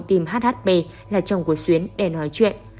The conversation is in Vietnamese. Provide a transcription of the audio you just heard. tìm hhp là chồng của xuyến để nói chuyện